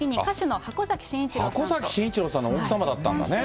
箱崎晋一郎さんの奥様だったんだね。